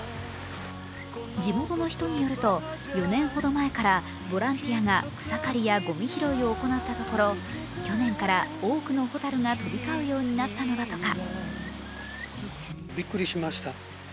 地元の人によると、４年ほど前からボランティアが草刈りやごみ拾いを行ったところ、去年から多くのホタルが飛び交うようになったのだとか。